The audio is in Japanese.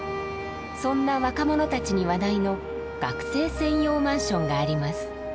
そんな若者たちに話題の学生専用マンションがあります。